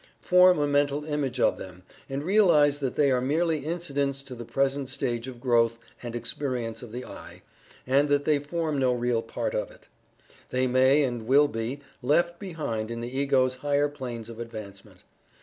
Form a mental image of them, and realize that they are merely incidents to the present stage of growth and experience of the "I," and that they form no real part of it. They may, and will be, left behind in the Ego's higher planes of advancement.